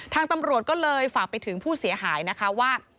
ทางตำรวจก็เลยฝากไปถึงผู้เสียหายนะคะว่า